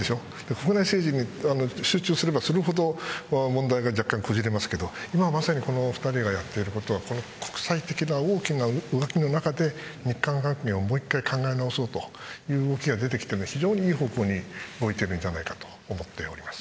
国内政治に集中すればするほど、問題が若干こじれますけど今、まさに２人がやっていることは国際的な大きな動きの中で日韓関係をもう一度考え直そうという動きが出てきて非常にいい方向に出ていると思っています。